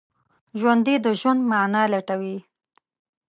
ژوندي د ژوند معنی لټوي